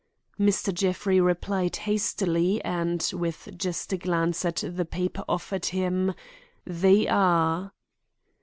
Mr. Jeffrey replied hastily, and, with just a glance at the paper offered him: "They are."